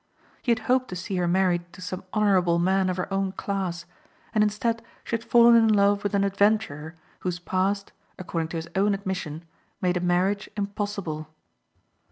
He had hoped to see her married to some honorable man of her own class and instead she had fallen in love with an adventurer whose past according to his own admission made a marriage impossible.